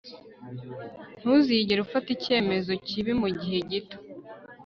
ntuzigere ufata icyemezo kibi mugihe gito